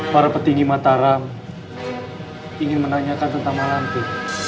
para petinggi mataram ingin menanyakan tentang menanti